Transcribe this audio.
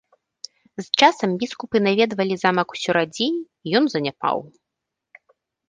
З часам біскупы наведвалі замак ўсё радзей і ён заняпаў.